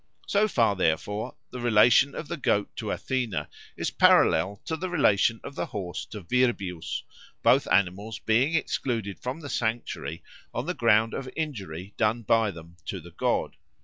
So far, therefore, the relation of the goat to Athena is parallel to the relation of the horse to Virbius, both animals being excluded from the sanctuary on the ground of injury done by them to the god.